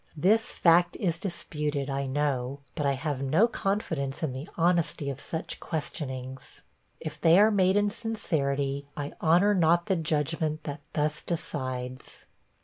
This fact is disputed, I know; but I have no confidence in the honesty of such questionings. If they are made in sincerity, I honor not the judgment that thus decides.